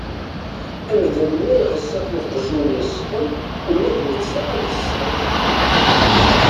Amdan ma iɣeẓẓa-t uqjun yesḍen ula d netta ad yesseḍ.